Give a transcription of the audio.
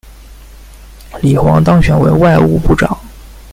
李璜当选为外务部长。